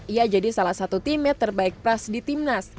ia jadi salah satu timet terbaik pras di timnas